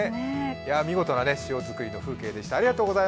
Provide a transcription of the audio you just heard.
見事な塩作りの風景でした。